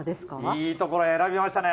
いいところ選びましたね。